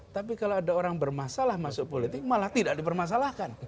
tapi kalau ada orang bermasalah masuk politik malah tidak dipermasalahkan